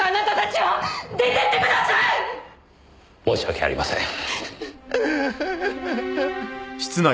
申し訳ありません。